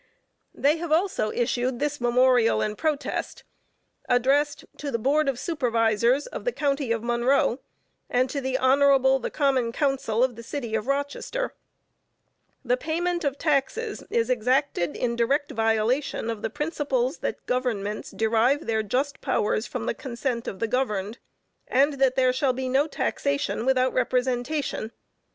They have also issued this memorial and protest, addressed To the Board of Supervisors of the County of Monroe, and to the Hon. the Common Council of the City of Rochester: The payment of taxes is exacted in direct violation of the principles that "Governments derive their just powers from the consent of the governed," and that "there shall be no taxation without representation."